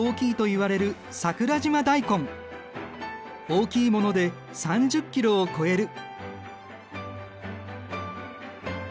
大きいもので３０ｋｇを超える。